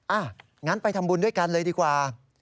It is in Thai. อ่ะงั้นไปทำบุญด้วยกันเลยดีกว่า